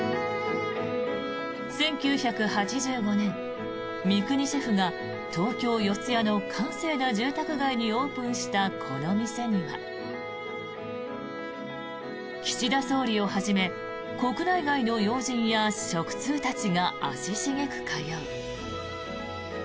１９８５年、三國シェフが東京・四谷の閑静な住宅街にオープンしたこの店には岸田総理をはじめ国内外の要人や食通たちが足しげく通う。